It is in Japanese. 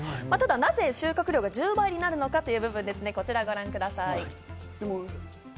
なぜ収穫量が１０倍になるのかというとですね、こちらをご覧ください。